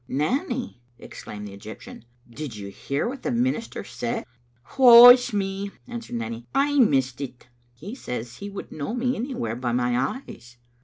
"Nanny," exclaimed the Egyptian, "did you hear what the minister said?" "Woe is me," answered Nanny, " I missed it." " He says he would know me anywhere by my eyes."